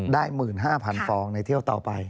ได้๑๕๐๐๐ฟอร์กในเที่ยวต่อไป